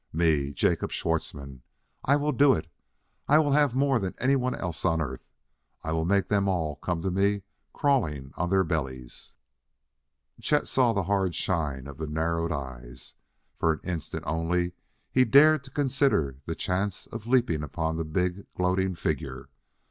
Me, Jacob Schwartzmann I will do it. I will haff more than anyone else on Earth; I will make them all come to me crawling on their bellies!" Chet saw the hard shine of the narrowed eyes. For an instant only, he dared to consider the chance of leaping upon the big, gloating figure.